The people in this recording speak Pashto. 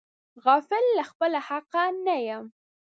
غافل له خپله حقه نه یم.